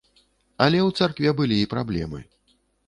Але ў царкве былі і праблемы.